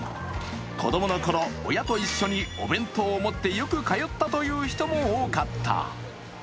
子供のころ、親と一緒にお弁当を持ってよく通ったという人も多かった。